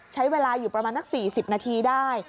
ใช้เวลาอยู่ประมาณนัก๔๐นาทีได้